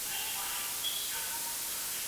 ایا د محمود خان نوم به په تاریخ کې پاتې شي؟